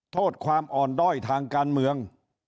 โทษความอ่อนด้อยทางการเมือง